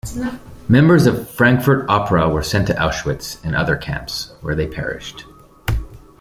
Members of Frankfurt Opera were sent to Auschwitz and other camps where they perished.